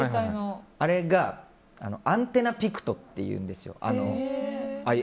あれがアンテナピクトっていうんですよ。